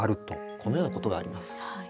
このようなことがあります。